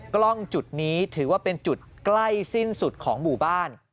กล้องจุดนี้ถือว่าเป็นจุดใกล้สิ้นสุดของหมู่บ้าน